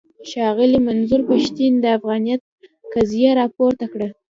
ښاغلي منظور پښتين د افغانيت قضيه راپورته کړه.